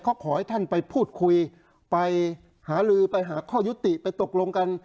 เขาขอให้ท่านไปพูดคุยไปหาลือไปหาข้อยุติไปตกลงกัน